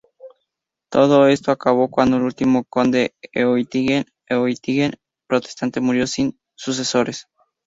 Todo esto acabó cuando el último Conde Oettingen-Oettingen Protestante murió sin sucesores.